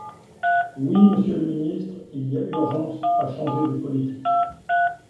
Oui, monsieur le ministre, il y a urgence à changer de politique.